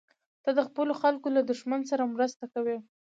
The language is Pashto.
ته د خپلو خلکو له دښمن سره مرسته کوې.